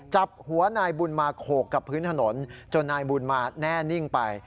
จับหัวนายบุญมาโขกกับพื้นถนนจนนายบุญมาแน่นิ่งไป